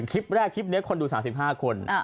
คลิปแรกคลิปนี้คนดู๓๕คน